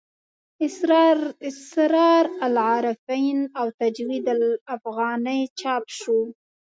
اسرار العارفین او تجوید الافغاني چاپ شو.